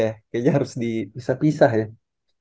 kayaknya harus dipisah pisah ya